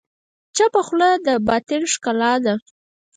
چپه خوله، د باطن ښکلا ده.